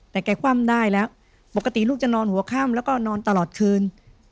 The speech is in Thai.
แต่แกคว่ำได้แล้วปกติลูกจะนอนหัวค่ำแล้วก็นอนตลอดคืน